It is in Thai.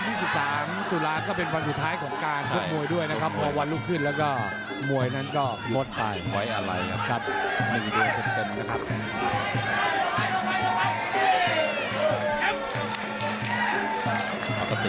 อเจมส์ต่อวันที่๑๓ตุลาคก็เป็นวันสุดท้ายของการทดมวยด้วยนะครับพอวันลุกขึ้นแล้วก็มวยนั้นก็พลดไปครับ๑เดือนสุดเกินนะครับ